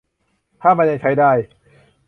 ถ้ามันยังใช้ได้